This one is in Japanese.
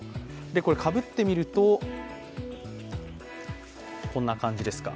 これかぶってみると、こんな感じですか。